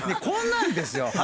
こんなんですよ。